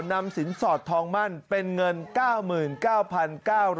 นำสินสอดทองมั่นเป็นเงิน๙๙๐๐